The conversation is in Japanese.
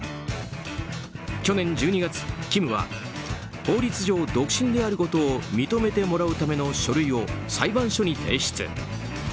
去年１２月、キムは法律上独身であることを認めてもらうための書類を裁判所に提出。